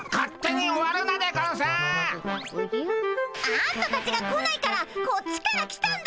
あんたたちが来ないからこっちから来たんだよっ！